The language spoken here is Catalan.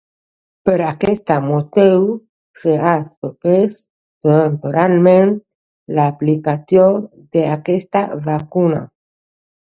Per aquest motiu, s'ha suspès temporalment l'aplicació d'aquesta vacuna.